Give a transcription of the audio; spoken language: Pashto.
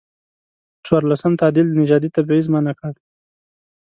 څورلسم تعدیل نژادي تبعیض منع کړ.